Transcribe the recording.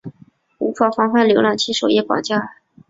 无法防范浏览器首页绑架。